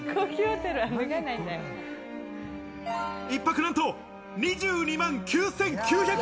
１泊なんと２２万９９００円。